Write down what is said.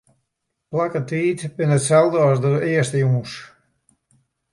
Plak en tiid binne itselde as de earste jûns.